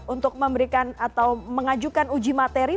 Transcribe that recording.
untuk memberikan atau mengajukan uji materi